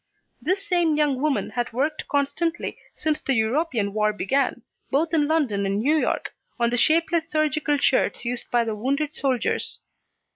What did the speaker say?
This same young woman has worked constantly since the European war began, both in London and New York, on the shapeless surgical shirts used by the wounded soldiers.